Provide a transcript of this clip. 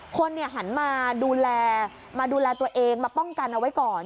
คนหันมาดูแลมาดูแลตัวเองมาป้องกันเอาไว้ก่อน